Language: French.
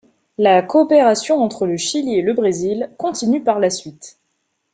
La coopération entre le Chili et le Brésil continue par la suite.